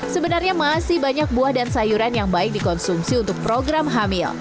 sebenarnya masih banyak buah dan sayuran yang baik dikonsumsi untuk program hamil